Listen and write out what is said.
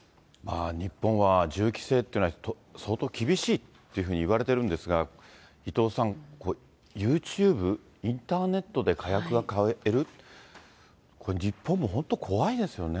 日本は銃規制っていうのは相当厳しいというふうにいわれてるんですが、伊藤さん、ユーチューブ、インターネットで火薬が買える、これ、日本も本当、怖いですよね。